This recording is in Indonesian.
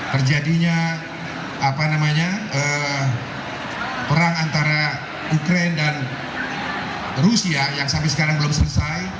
terjadinya perang antara ukraine dan rusia yang sampai sekarang belum selesai